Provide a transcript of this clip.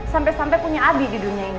sampai sampai punya abi di dunia ini